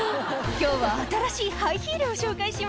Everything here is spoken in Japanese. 「今日は新しいハイヒールを紹介します」